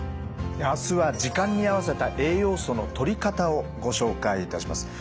明日は時間に合わせた栄養素のとり方をご紹介いたします。